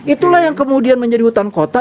itulah yang kemudian menjadi hutan kota